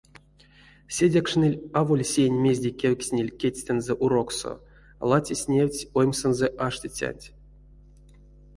Седякшныль аволь сень, мезде кевкстнильть кедьстэнзэ уроксо — лацесь-невтсь оймсэнзэ аштицянть.